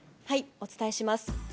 お伝えします。